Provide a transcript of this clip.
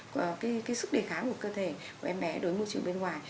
và cái sức đề kháng của cơ thể của em bé đối với môi trường bên ngoài